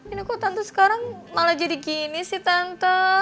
ini kok tante sekarang malah jadi gini sih tante